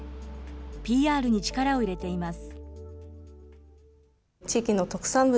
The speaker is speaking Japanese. ＰＲに力を入れています。